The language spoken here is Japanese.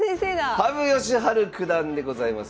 羽生善治九段でございます。